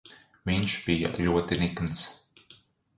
Viņš bija ļoti nikns.